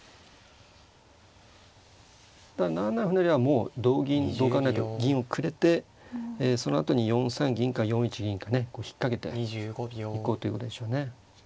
だから７七歩成はもう同銀どう考えても銀をくれてそのあとに４三銀か４一銀かねこう引っ掛けて行こうっていうことでしょうね。